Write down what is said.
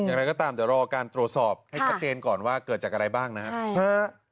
อย่างไรก็ตามเดี๋ยวรอการตรวจสอบให้ชัดเจนก่อนว่าเกิดจากอะไรบ้างนะครับ